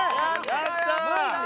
やったー！